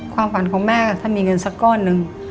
ความฝันของแม่ถ้ามีเงินสักก้อนหนึ่ง